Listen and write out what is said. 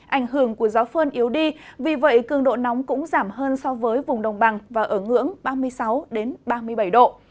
ảnh hưởng của gió phơn yếu đi vì vậy cường độ nóng cũng giảm hơn so với vùng đồng bằng và ở ngưỡng ba mươi sáu ba mươi bảy độ